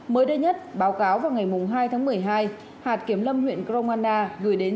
mới đây nhất báo cáo vào ngày hai tháng một mươi hai hạt kiếm lâm huyện kro nga na gửi đến